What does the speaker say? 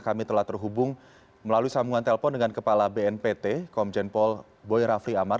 kami telah terhubung melalui sambungan telpon dengan kepala bnpt komjen pol boy rafli amar